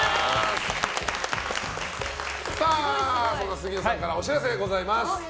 杉野さんからお知らせがございます。